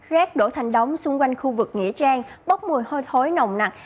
rác đổ thành đóng xung quanh khu vực nghĩa trang bốc mùi hôi thối nồng nặng